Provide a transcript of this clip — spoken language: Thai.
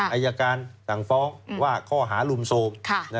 อัยการฝว่าข้อหารุมโซม